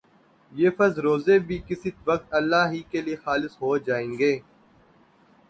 یہ فرض روزے بھی کسی وقت اللہ ہی کے لیے خالص ہو جائیں گے